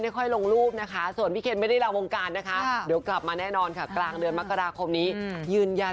หน้าที่ไทยค่ะหน้าที่พังร้านนี้ค่ะ